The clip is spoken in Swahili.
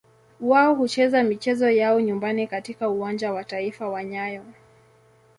Wao hucheza michezo yao ya nyumbani katika Uwanja wa Taifa wa nyayo.